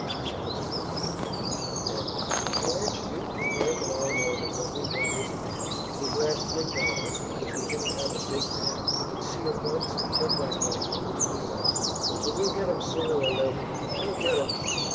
"Sounds good," said Dick, "and, George, you and Frank and I know that what we want is a man. We've lost big battles, because we didn't have a big man, who could see at once and think like lightning, to lead us. But we'll get him sooner or later! We'll get him.